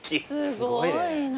すごいね。